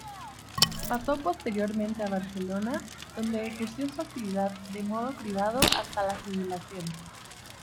Pasó posteriormente a Barcelona donde ejerció su actividad de modo privado hasta la jubilación.